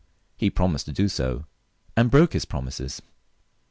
He promised to do so, and broke his promises.